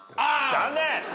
残念！